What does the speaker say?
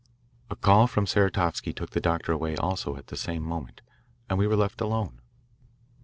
A call from Saratovsky took the doctor away also at the same moment, and we were left alone.